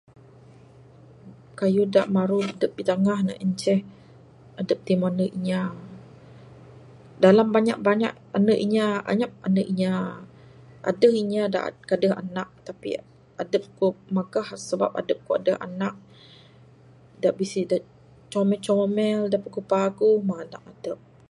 Kayuh dak maru adup pitangah en incheh adup ti meh ande inya, dalam banyak-banyak ande inya anyap ande inya aduh inya dak kadeh anak tapi adup aku magah sebab adup aku aduh anak dak bisi dak comel-comel dak paguh-paguh mah anak adup